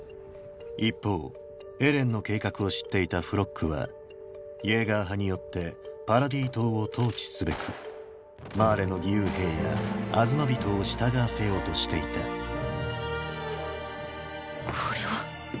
一方エレンの計画を知っていたフロックはイェーガー派によってパラディ島を統治すべくマーレの義勇兵やアズマビトを従わせようとしていたこれは。